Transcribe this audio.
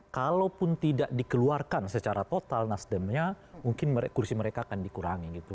kalaupun tidak dikeluarkan secara total nasdemnya mungkin kursi mereka akan dikurangi gitu